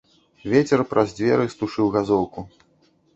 Вецер праз дзверы стушыў газоўку.